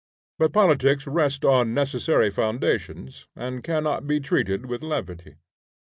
But politics rest on necessary foundations, and cannot be treated with levity.